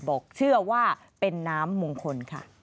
บอกเชื่อว่าเป็นน้ำมงคล